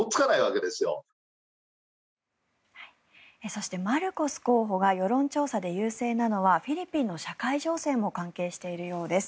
そしてマルコス候補が世論調査で優勢なのはフィリピンの社会情勢も関係しているようです。